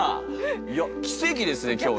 いや奇跡ですね今日ね。